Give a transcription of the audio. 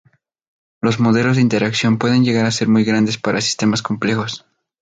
Los modelos de interacción pueden llegar a ser muy grandes para sistemas complejos.